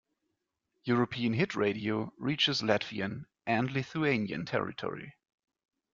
European Hit Radio reaches Latvian and Lithuanian territory.